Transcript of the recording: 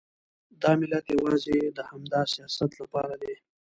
دا ملت یوازې د همدا سیاست لپاره دی.